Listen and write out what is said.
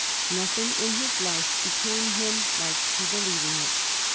Nothing in his life be came him like to the leaving it.